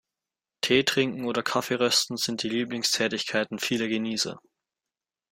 Teetrinken oder Kaffeerösten sind die Lieblingstätigkeiten vieler Genießer.